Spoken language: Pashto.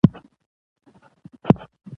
د مېلو پر مهال خلک د خپل کلتور ځانګړتیاوي ښیي.